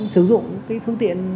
sử dụng cái phương tiện